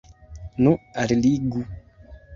Nu, alligu!